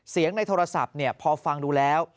ในโทรศัพท์พอฟังดูแล้ว